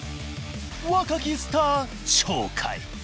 若きスター鳥海！